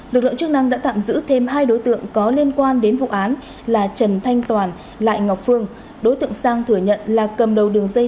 lực lượng chức năng đã tạm giữ thêm hai đối tượng có liên quan đến vụ án là trần thanh toàn lại ngọc phương đối tượng sang thừa nhận là cầm đầu đường dây